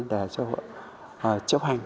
để cho họ chấp hành